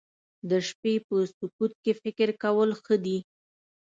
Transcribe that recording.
د شپې په سکوت کې فکر کول ښه دي